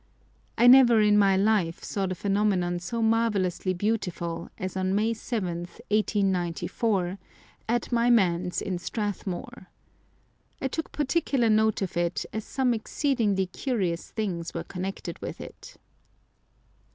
I never in my life saw the phenomenon so marvellously beautiful as on May 7th, 1894, at my manse in Strathmore. I took particular note of it, as some exceedingly curious things were connected with it.